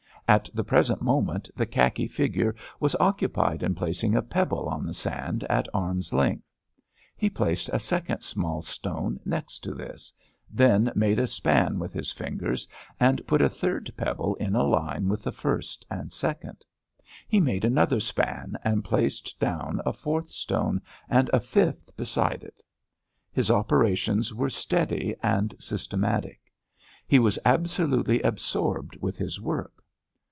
At the present moment the khaki figure was occupied in placing a pebble on the sand at arm's length. He placed a second small stone next to this, then made a span with his fingers, and put a third pebble in a line with the first and second. He made another span, and placed down a fourth stone and a fifth beside it. His operations were steady and systematic. He was absolutely absorbed with his work.